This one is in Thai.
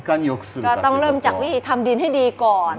ก็ต้องเริ่มจากทำดินให้ดีก่อน